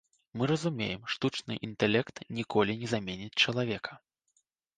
Мы разумеем, штучны інтэлект ніколі не заменіць чалавека.